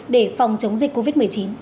để phòng chống dịch covid một mươi chín